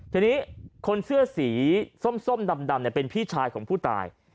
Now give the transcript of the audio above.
ทีนี้คนเสื้อสีส้มดำเป็นพี่ชายของผู้ตาย